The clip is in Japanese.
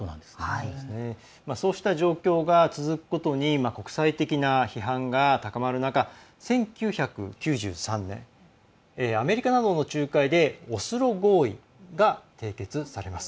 そうした状況が続くことに国際的な批判が高まる中、１９９３年にアメリカなどの仲介でオスロ合意が締結されます。